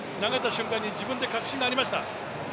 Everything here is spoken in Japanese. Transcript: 投げた瞬間に自分で確信がありました。